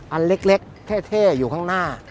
อันเล็กเท่อยู่ข้างหน้า